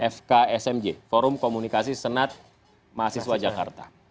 fksmj forum komunikasi senat mahasiswa jakarta